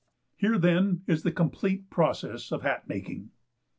Here then is the complete PROCESS OF HAT MAKING.